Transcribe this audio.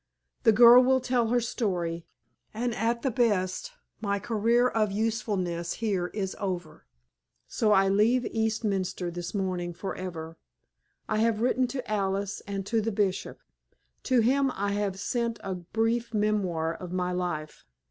The girl will tell her story, and at the best my career of usefulness here is over; so I leave Eastminster this morning forever. I have written to Alice and to the Bishop. To him I have sent a brief memoir of my life.